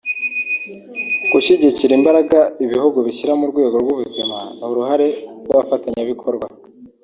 gushyigikira imbaraga ibihugu bishyira mu rwego rw’ubuzima n’uruhare rw’abafatanyabikorwa